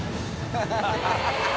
ハハハ